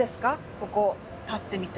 ここ立ってみて。